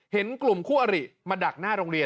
เห็นกลุ่มคู่อริมาดักหน้าโรงเรียน